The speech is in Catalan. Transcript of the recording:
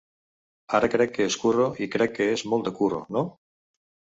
Ara crec que és curro i crec que és molt de curro, no?